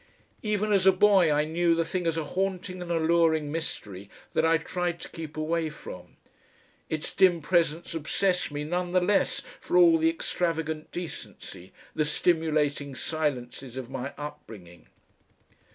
Even as a boy I knew the thing as a haunting and alluring mystery that I tried to keep away from. Its dim presence obsessed me none the less for all the extravagant decency, the stimulating silences of my upbringing....